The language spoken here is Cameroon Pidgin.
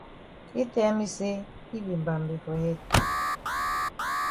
Yi tell me say yi be mbambe for head.